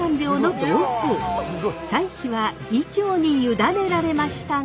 採否は議長に委ねられましたが。